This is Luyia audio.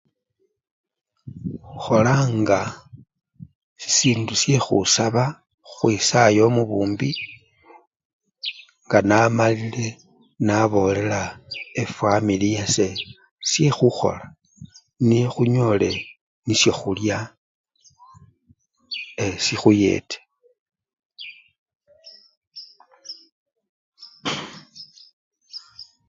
Ikholanga sisindu syekhusaba, khwisaya omubumbi nga namalile nabolela efamili yase syekhukhola niye khunyole nisyokhulya ee! sikhuyete.